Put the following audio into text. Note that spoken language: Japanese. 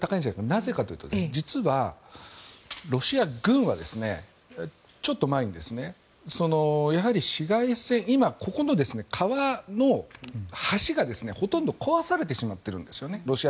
なぜかというと、実はロシア軍はちょっと前にやはり市街戦今、ここの川の橋がほとんど壊されてしまっているんですね。